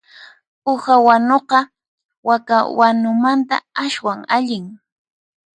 Uha wanuqa waka wanumanta aswan allin.